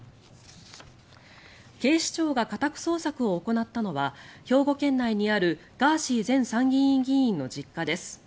警視庁が家宅捜索を行ったのは兵庫県内にあるガーシー前参議院議員の実家です。